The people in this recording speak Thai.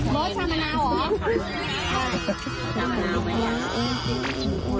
บอสชาวมะนาวเหรอ